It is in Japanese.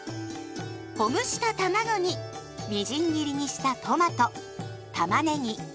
ほぐしたたまごにみじん切りにしたトマトたまねぎ